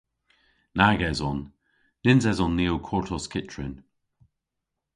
Nag eson. Nyns eson ni ow kortos kyttrin.